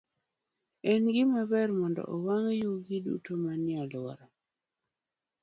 En gima ber mondo owang' yugi duto manie alworawa.